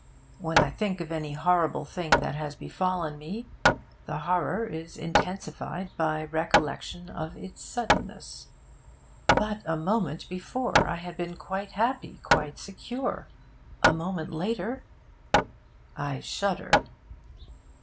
When I think of any horrible thing that has befallen me, the horror is intensified by recollection of its suddenness. 'But a moment before, I had been quite happy, quite secure. A moment later ' I shudder.